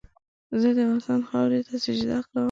زه د وطن خاورې ته سجده کوم